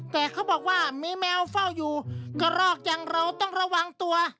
แต่เขาบอกว่ามีแมวเฝ้าอยู่กระรอกอย่างเราต้องระวังตัว